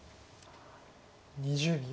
２０秒。